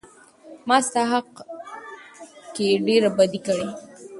ما ستا په حق کې ډېره بدي کړى.